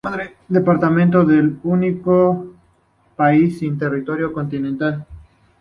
El departamento es el único del país sin territorio continental.